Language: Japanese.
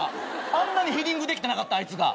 あんなにヘディングできてなかったあいつが。